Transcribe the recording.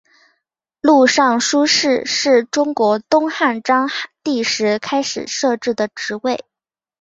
录尚书事是中国东汉章帝时开始设置的职位。